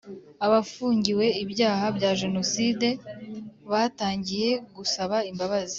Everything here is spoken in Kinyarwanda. Abafungiwe ibyaha bya jenocide batangiye gusaba imbabazi